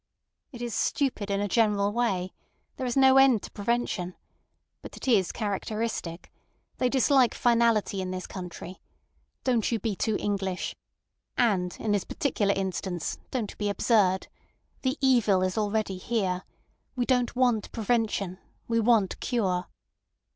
"It is stupid in a general way. There is no end to prevention. But it is characteristic. They dislike finality in this country. Don't you be too English. And in this particular instance, don't be absurd. The evil is already here. We don't want prevention—we want cure."